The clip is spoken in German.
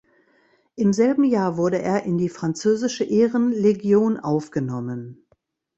Im selben Jahr wurde er in die französische Ehrenlegion aufgenommen.